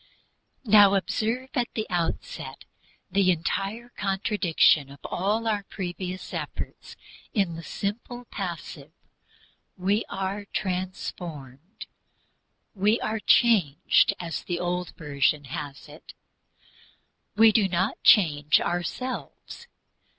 Now observe at the outset the entire contradiction of all our previous efforts, in the simple passive: "We are transformed." We are changed, as the Old Version has it we do not change ourselves.